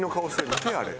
見てあれ。